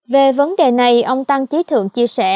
về vấn đề này ông tăng trí thượng chia sẻ